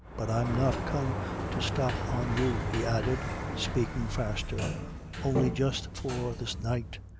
But I'm not come to stop on you," he added, speaking faster, "on'y just for this night.